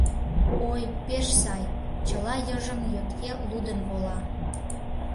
— Ой, пеш сай; чыла йыжыҥ йотке лудын вола.